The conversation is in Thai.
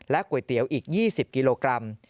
ก๋วยเตี๋ยวอีก๒๐กิโลกรัม